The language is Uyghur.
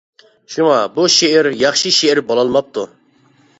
شۇڭا بۇ شېئىر ياخشى شېئىر بولالماپتۇ.